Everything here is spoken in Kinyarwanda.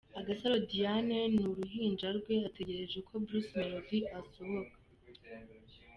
Agasaro Diane n'uruhinja rwe ategereje ko Bruce Melodie asohoka.